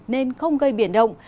nên không gây biển động